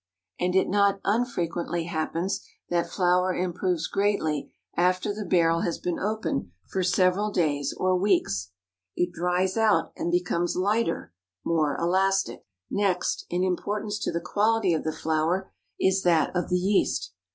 And it not unfrequently happens that flour improves greatly after the barrel has been open for several days or weeks. It dries out and becomes lighter, more elastic. Next in importance to the quality of the flour is that of the yeast.